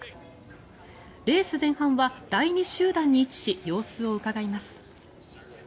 レース前半は第２集団に位置し様子をうかがいます。